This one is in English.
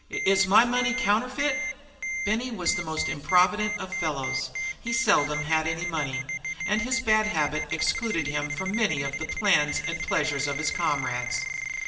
Is my money counterfeit?" Benny was the most improvident of fellows. He seldom had any money. And his bad habit excluded him from many of the plans and pleasures of his comrades.